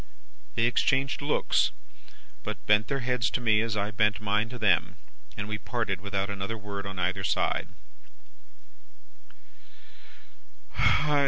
"They exchanged looks, but bent their heads to me as I bent mine to them, and we parted without another word on either side.